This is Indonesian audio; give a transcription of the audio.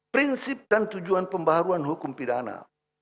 prinsip dan tujuan pembaharuan hukum pidana